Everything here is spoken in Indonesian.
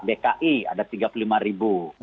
dki ada rp tiga puluh lima